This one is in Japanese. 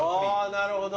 なるほど。